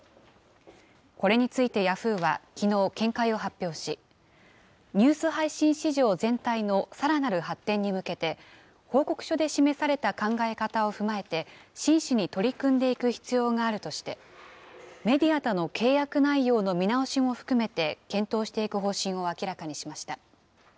これについてヤフーはきのう、見解を発表し、ニュース配信市場全体のさらなる発展に向けて、報告書で示された考え方を踏まえて、真摯に取り組んでいく必要があるとして、メディアとの契約内容の見直しも含めて、検討していく方針を明らかにしました。